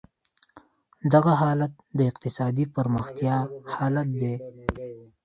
دغه حالت د اقتصادي پرمختیا حالت دی.